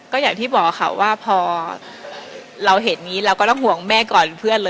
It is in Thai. ก็อย่างที่บอกครับพอเห็นร่วมต้องห่วงแม่ก่อน